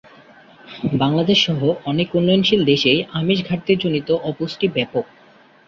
বাংলাদেশসহ অনেক উন্নয়নশীল দেশেই আমিষ ঘাটতিজনিত অপুষ্টি ব্যাপক।